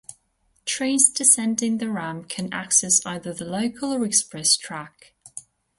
Trains descending the ramp can access either the local or express track.